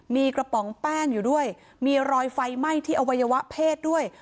มีกระป๋องแป้งอยู่ด้วยมีรอยไฟไหม้ที่อวัยวะเพศด้วย